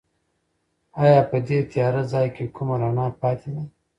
ایا په دې تیاره ځای کې کومه رڼا پاتې ده؟